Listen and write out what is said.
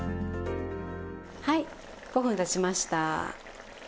はい５分経ちました。